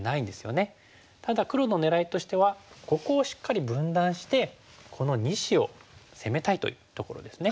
ただ黒の狙いとしてはここをしっかり分断してこの２子を攻めたいというところですね。